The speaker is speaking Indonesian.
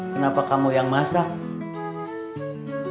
kenapa kamu yang masak